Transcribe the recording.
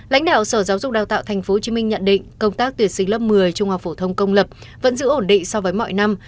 lãnh đạo sở giáo dục đào tạo tp hcm nhận định công tác tuyển sinh lớp một mươi trung học phổ thông công lập vẫn giữ ổn định so với mọi năm